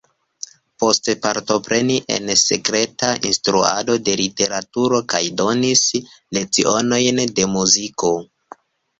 Poste partoprenis en sekreta instruado de literaturo kaj donis lecionojn de muziko.